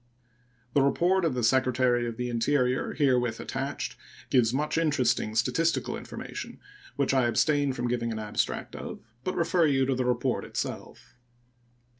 The report of the Secretary of the Interior herewith attached gives much interesting statistical information, which I abstain from giving an abstract of, but refer you to the report itself.